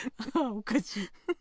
おかしい。